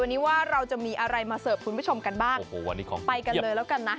วันนี้ว่าเราจะมีอะไรมาเสิร์ฟคุณผู้ชมกันบ้างโอ้โหวันนี้ของไปกันเลยแล้วกันนะ